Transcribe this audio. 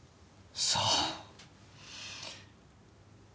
さあ。